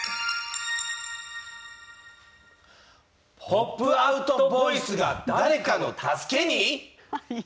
「ポップアウトボイスが誰かの助けに」。